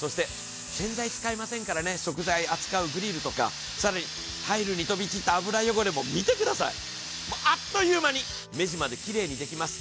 洗剤使いませんから、食材を扱うグリルとか、更にタイルに飛び散った油汚れも見てください、あっという間に目地まできれいにできます。